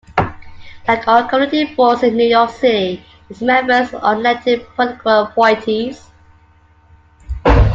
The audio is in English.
Like all community boards in New York City, its members are unelected political appointees.